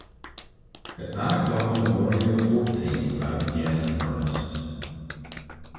At nine o'clock on the morning of the lith the battle began in earnest.